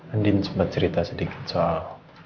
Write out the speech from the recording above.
andin sempat cerita sedikit soal